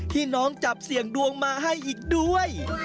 น้องจับเสี่ยงดวงมาให้อีกด้วย